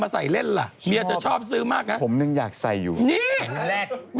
ไม่ดีแล้วคลสัตว์